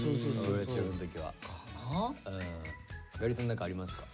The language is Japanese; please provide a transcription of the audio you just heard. ガリさん何かありますか？